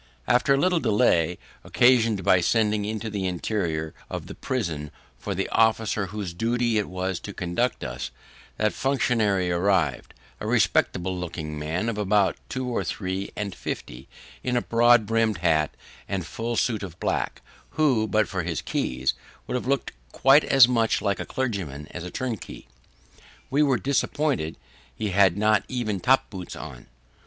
After a little delay, occasioned by sending into the interior of the prison for the officer whose duty it was to conduct us, that functionary arrived; a respectable looking man of about two or three and fifty, in a broad brimmed hat, and full suit of black, who, but for his keys, would have looked quite as much like a clergyman as a turnkey. We were disappointed; he had not even top boots on.